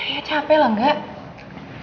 ya capek lah enggak